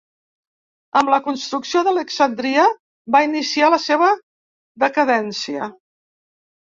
Amb la construcció d'Alexandria va iniciar la seva decadència.